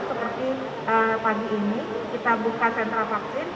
seperti pagi ini kita buka sentra vaksin